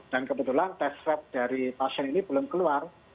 dan kebetulan test trap dari pasien ini belum keluar